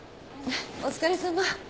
お疲れさま。